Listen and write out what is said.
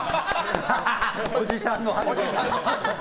おじさんのハグ。